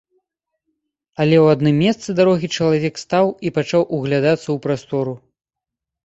Але ў адным месцы дарогі чалавек стаў і пачаў углядацца ў прастору.